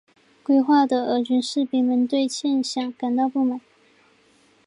归化的俄军士兵们对欠饷感到不满。